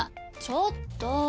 ちょっと。